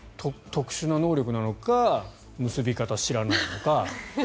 特殊な能力なのか結び方を知らないのか。